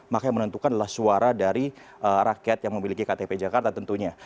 maka yang menentukan adalah suara dari rakyat yang memiliki ktp jakarta tentunya